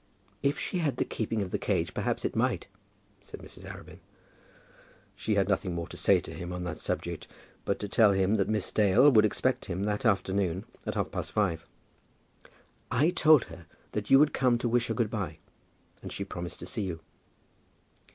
"If she had the keeping of the cage, perhaps it might," said Mrs. Arabin. She had nothing more to say to him on that subject, but to tell him that Miss Dale would expect him that afternoon at half past five. "I told her that you would come to wish her good by, and she promised to see you."